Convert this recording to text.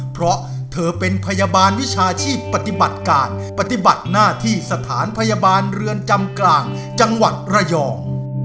เพราะเธอเป็นพยาบาลวิชาชีพปฏิบัติการปฏิบัติหน้าที่สถานพยาบาลเรือนจำกลางจังหวัดระยอง